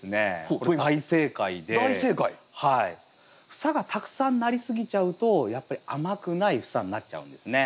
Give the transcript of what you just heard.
房がたくさんなりすぎちゃうとやっぱり甘くない房になっちゃうんですね。